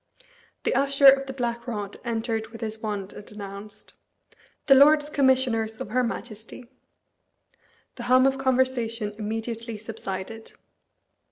The Usher of the Black Rod entered with his wand and announced, "The Lords Commissioners of her Majesty." The hum of conversation immediately subsided.